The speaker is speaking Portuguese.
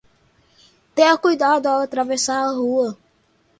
Tenha cuidado ao atravessar a rua